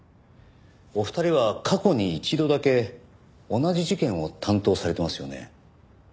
お二人は過去に一度だけ同じ事件を担当されてますよね？